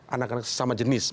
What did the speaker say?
anak anak sesama jenis